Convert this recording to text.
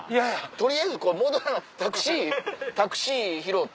取りあえず戻らなタクシータクシー拾うて。